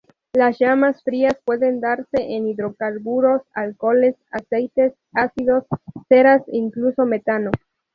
Las llamas frías pueden darse en hidrocarburos, alcoholes, aceites, ácidos, ceras e incluso metano.